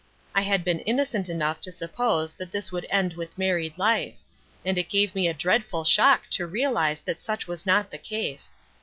I had been innocent enough to suppose that this would end with married life, and it gave me a dreadful shock to realize that such was not the case.